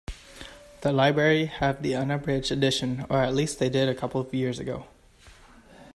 The library have the unabridged edition, or at least they did a couple of years ago.